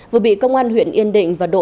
vừa bị công an huyện yên định và động